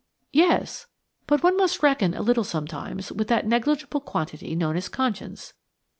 "Yes; but one must reckon a little sometimes with that negligible quantity known as conscience.